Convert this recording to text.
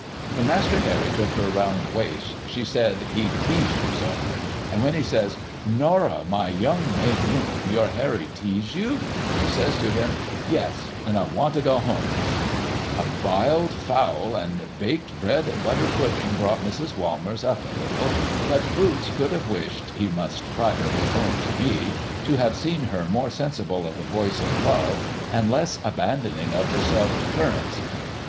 When Master Harry took her round the waist, she said he 'teased her so;' and when he says, 'Norah, my young May Moon, your Harry tease you ?' she tells him, ' Yes ; and I want to go home 1 ' A biled fowl, and baked bread and butter pudding, brought Mrs. Walmers up a little ; but Boots could have wished, he must privately own to me, to have seen her more sensible of the woice of love, and less abandoning of herself to currants.